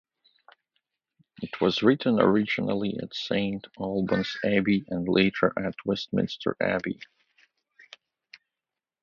It was written originally at Saint Albans Abbey and later at Westminster Abbey.